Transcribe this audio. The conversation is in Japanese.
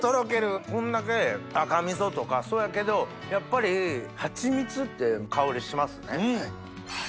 こんだけ赤味噌とかそやけどやっぱりハチミツって香りしますね。